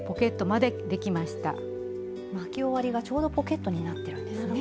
巻き終わりがちょうどポケットになっているんですね。